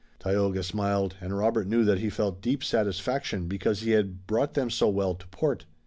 Tayoga smiled, and Robert knew that he felt deep satisfaction because he had brought them so well to port.